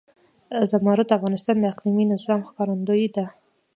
زمرد د افغانستان د اقلیمي نظام ښکارندوی ده.